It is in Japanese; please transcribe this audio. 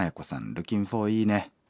「『ルキンフォー』いいね。